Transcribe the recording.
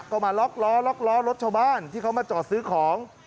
ก็มาล็อกล้อล็อกล้อรถชาวบ้านที่เขามาจอดซื้อของ